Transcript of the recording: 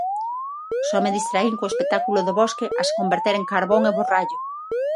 Só me distraín co espectáculo do bosque a se converter en carbón e borrallo.